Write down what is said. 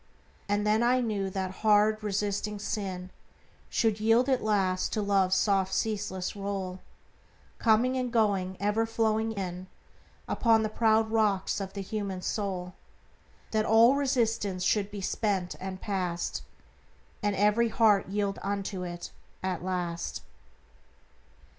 And then I knew that hard, resisting sin Should yield at last to Love's soft ceaseless roll Coming and going, ever flowing in Upon the proud rocks of the human soul; That all resistance should be spent and past, And every heart yield unto it at last.